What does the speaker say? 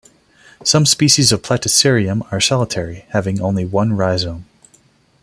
Some species of "Platycerium" are solitary having only one rhizome.